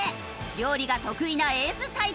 料理が得意なエース対決。